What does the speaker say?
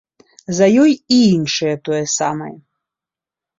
За ёю і іншыя тое самае.